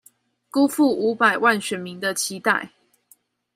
辜負五百萬選民的期待